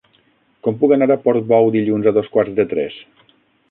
Com puc anar a Portbou dilluns a dos quarts de tres?